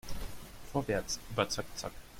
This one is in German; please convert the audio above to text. Vorwärts, aber zack zack!